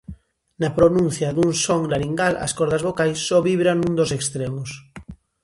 Na pronuncia dun son laringal as cordas vocais só vibran nun dos extremos.